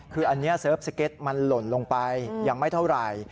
คืออันนี้เซิร์ฟสเก็ตมันหล่นลงไปยังไม่เท่าไหร่